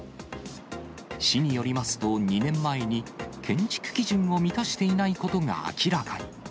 市によりますと、２年前に建築基準を満たしていないことが明らかに。